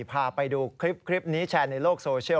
พาไปดูคลิปนี้แชร์ในโลกโซเชียล